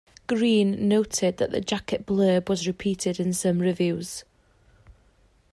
Green noted that the jacket blurb was repeated in some reviews.